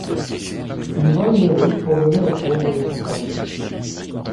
Il vole les riches pour donner aux pauvres de son quartier.